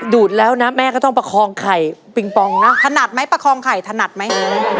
ดูดแล้วนะแม่ก็ต้องประคองไข่ปิงปองนะถนัดไหมประคองไข่ถนัดไหม